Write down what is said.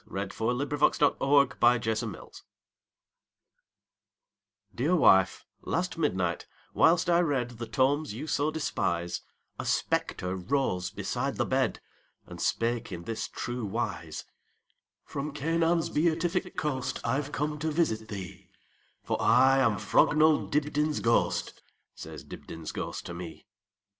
1900. By EugeneField 1045 Dibdin's Ghost DEAR wife, last midnight, whilst I readThe tomes you so despise,A spectre rose beside the bed, And spake in this true wise:"From Canaan's beatific coastI 've come to visit thee, For I am Frognall Dibdin's ghost,"Says Dibdin's ghost to me.